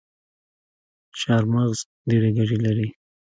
چارمغز ډیري ګټي لري